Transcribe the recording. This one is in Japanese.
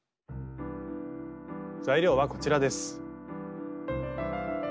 材料はこちらです。